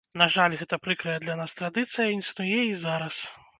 На жаль, гэта прыкрая для нас традыцыя існуе і зараз.